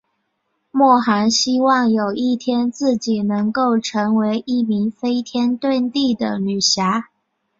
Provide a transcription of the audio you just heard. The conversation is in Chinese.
莫涵希望有一天自己能够成为一名飞天遁地的女侠。